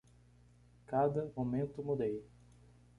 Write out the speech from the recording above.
Cada momento mudei.